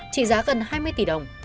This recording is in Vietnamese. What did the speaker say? chỉ giá gần hai mươi tỷ đồng